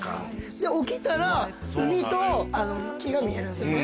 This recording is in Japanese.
起きたら海と木が見えるんですよね。